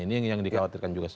ini yang dikhawatirkan juga